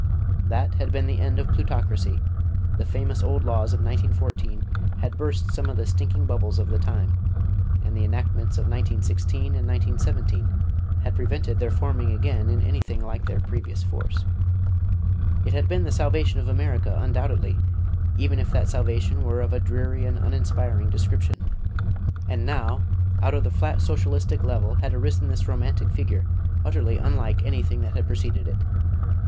That had been the end of plutocracy; the famous old laws of 1914 had burst some of the stinking bubbles of the time; and the enactments of 1916 and 1917 had prevented their forming again in any thing like their previous force. It had been the salvation of America, undoubtedly, even if that salvation were of a dreary and uninspiring description; and now out of the flat socialistic level had arisen this romantic figure utterly unlike any that had preceded it....